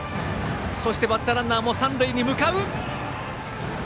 そしてバッターランナーも三塁に向かう。